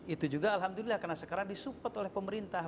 itu juga alhamdulillah karena sekarang disupport oleh pemerintah